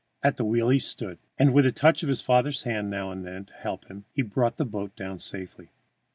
At the wheel he stood, and with a touch of his father's hand now and then to help him, he brought the boat down safely.